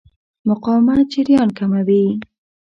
مقاومت جریان کموي.